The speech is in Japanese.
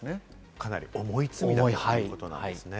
かなり重い罪ということですね。